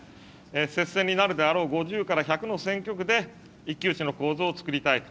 接戦になるであろう５０から１００の選挙区で、一騎打ちの構図を作りたい。